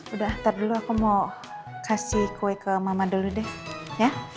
udah ntar dulu aku mau kasih kue ke mama dulu deh ya